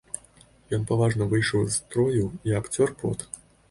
Ён паважна выйшаў з строю і абцёр пот.